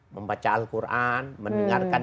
membaca al quran mendengarkan